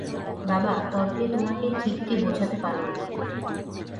বাবা, তর্কে তোমাকে ঠিকটি বোঝাতে পারব না।